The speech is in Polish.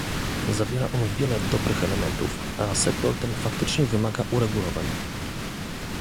Zawiera on wiele dobrych elementów, a sektor ten faktycznie wymaga uregulowań